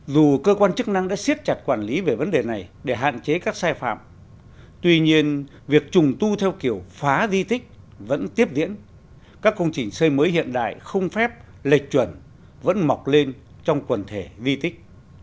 dù cơ quan chức năng đã siết chặt quản lý về vấn đề này để hạn chế các sai phạm tuy nhiên việc trùng tu theo kiểu phá di tích vẫn tiếp diễn các công trình xây mới hiện đại không phép lệch chuẩn vẫn mọc lên trong quần thể di tích